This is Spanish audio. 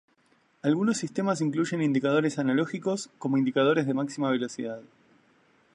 Algunos sistemas incluyen indicadores analógicos, como indicadores de velocidad máxima.